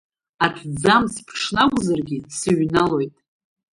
Аҭӡамц ԥҽны акәзаргьы сыҩналоит.